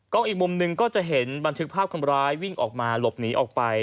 อีกมุมหนึ่งก็จะเห็นบันทึกภาพคนร้ายวิ่งออกมาหลบหนีออกไป